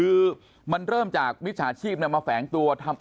สวดมาจน๘๖ปีไม่มีใครมาหลอกอะไรใช่มั้ย